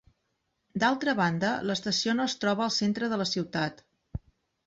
D'altra banda, l'estació no es troba al centre de la ciutat.